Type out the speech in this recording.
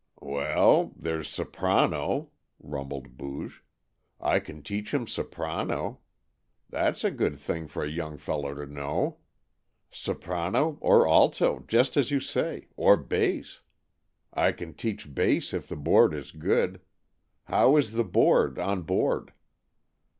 "Well, there's soprano," rumbled Booge. "I can teach him soprano. That's a good thing for a young feller to know. Soprano or alto, just as you say or bass. I can teach bass if the board is good. How is the board on board?"